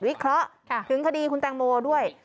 เคราะห์ถึงคดีคุณแตงโมด้วย